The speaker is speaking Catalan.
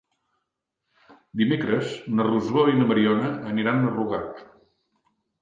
Dimecres na Rosó i na Mariona aniran a Rugat.